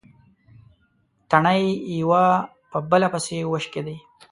تڼۍ يوه په بلې پسې وشکېدې.